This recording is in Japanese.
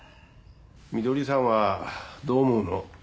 ミドリさんはどう思うの？